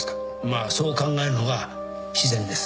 まあそう考えるのが自然です。